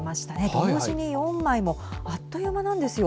同時に４枚もあっという間なんですよ。